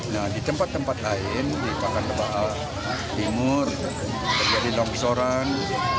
nah di tempat tempat lain di pakan tebal timur terjadi longsoran